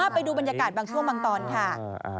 ไปดูบรรยากาศบางช่วงบางตอนค่ะ